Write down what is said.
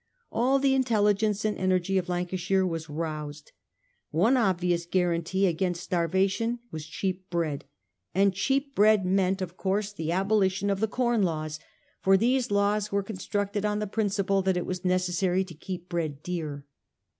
All the intelligence and energy of Lan cashire was roused. One obvious guarantee against starvation was cheap bread, and cheap bread meant 1838. THE ANTI COEN LAW LEAGUE. 333 of course the abolition of the Com Laws, for these laws were constructed on the principle that it was necessary to keep bread dear.